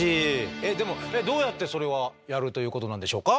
えっでもどうやってそれはやるということなんでしょうか？